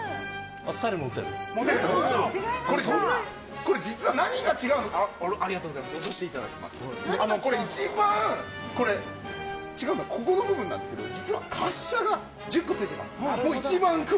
これ実は何が違うのかというと一番違うのはここの部分なんですけど滑車が１０個ついています。